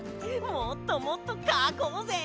もっともっとかこうぜ！